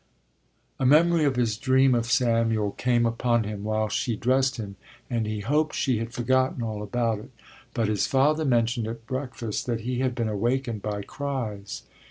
A memory of his dream of Samuel came upon him while she dressed him, and he hoped she had forgotten all about it; but his father mentioned at breakfast that he had been awakened by cries.